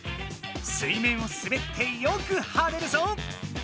水面をすべってよくはねるぞ！